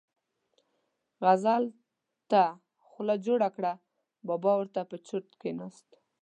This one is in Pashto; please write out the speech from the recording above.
غزل ته خوله جوړه کړه، بابا ور ته په چرت کېناست.